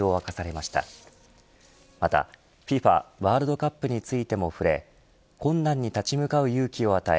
またＦＩＦＡワールドカップについても触れ困難に立ち向かう勇気を与え